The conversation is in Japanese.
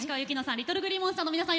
ＬｉｔｔｌｅＧｌｅｅＭｏｎｓｔｅｒの皆さん